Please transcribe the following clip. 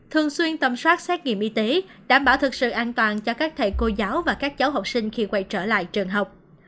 thường xuyên tâm soát xét nghiệm y tế đảm bảo thực sự an toàn cho các thầy cô giáo và các cháu học sinh khi quay trở lại trường học